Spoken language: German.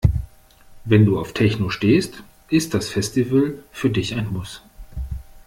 Wenn du auf Techno stehst, ist das Festival für dich ein Muss.